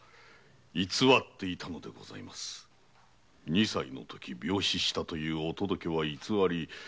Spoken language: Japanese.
二歳のとき病死したというお届けは偽り。